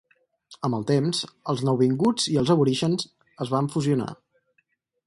Amb el temps els nou vinguts i els aborígens es van fusionar.